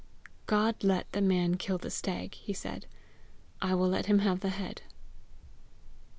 "God let the man kill the stag," he said; "I will let him have the head."